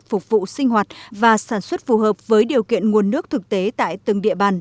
phục vụ sinh hoạt và sản xuất phù hợp với điều kiện nguồn nước thực tế tại từng địa bàn